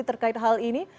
terkait hal ini